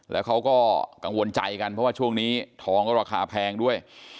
แล้วเขาก็กังวลใจกันเพราะว่าช่วงนี้ทองก็ราคาแพงด้วย